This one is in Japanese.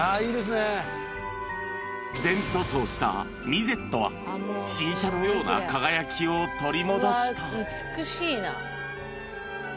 全塗装したミゼットは、新車のような輝きを取り戻した。